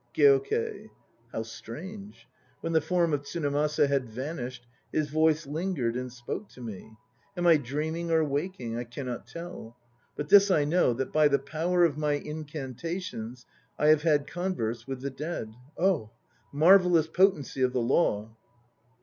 GYOKEI. How strange! When the form of Tsunemasa had vanished, his voice lingered and spoke to me! Am I dreaming or waking? I can not tell. But this I know, that by the power of my incantations I have had converse with the dead. Oh ! marvellous potency of the Law